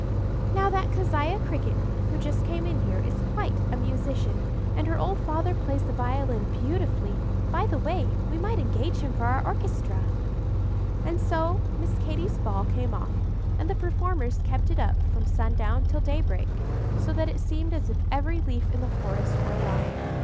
"Now that Keziah Cricket, who just came in here, is quite a musician, and her old father plays the violin beautifully;—by the way, we might engage him for our orchestra." And so Miss Katy's ball came off, and the performers kept it up from sundown till daybreak, so that it seemed as if every leaf in the forest were alive.